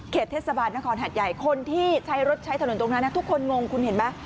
เทศบาลนครหัดใหญ่คนที่ใช้รถใช้ถนนตรงนั้นทุกคนงงคุณเห็นไหม